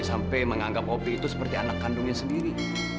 sampai menganggap opi itu seperti anak kandungnya sendiri